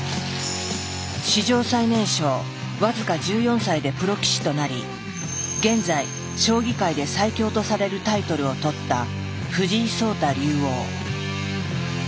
史上最年少僅か１４歳でプロ棋士となり現在将棋界で最強とされるタイトルを取った藤井聡太竜王。